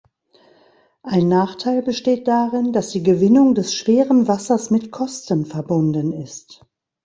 Ein Nachteil besteht darin, dass die Gewinnung des schweren Wassers mit Kosten verbunden ist.